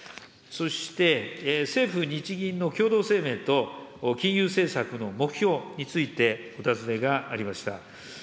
そして、政府、日銀の共同声明と金融政策の目標についてお尋ねがありました。